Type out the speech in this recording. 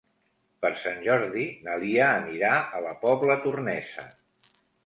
Per Sant Jordi na Lia anirà a la Pobla Tornesa.